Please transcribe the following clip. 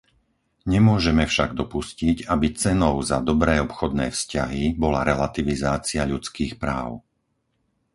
Nemôžeme však dopustiť, aby cenou za dobré obchodné vzťahy bola relativizácia ľudských práv.